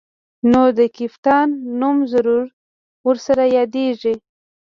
نو د کيپات نوم ضرور ورسره يادېږي.